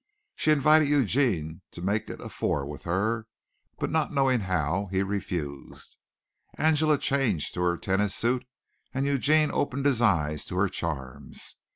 She invited Eugene to make it a four with her, but not knowing how he refused. Angela changed to her tennis suit and Eugene opened his eyes to her charms.